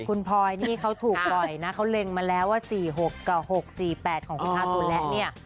คุณพลอยนี่เขาถูกปล่อยนะเขาเล็งมาแล้วว่า๔๖กับ๖๔๘ของคุณอาตุและเนี่ย